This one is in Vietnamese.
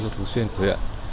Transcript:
thường xuyên của huyện